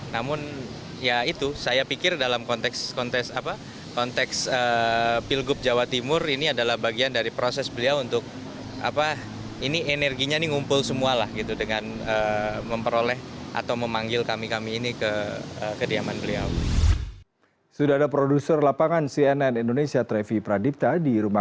namun ya itu saya pikir dalam konteks pilgub jawa timur ini adalah bagian dari proses beliau untuk ini energinya ini ngumpul semualah gitu dengan memperoleh atau memanggil kami kami ini ke kediaman beliau